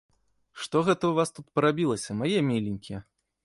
Што гэта ў вас тут парабілася, мае міленькія?